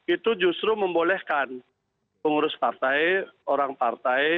itu justru membolehkan pengurus partai orang partai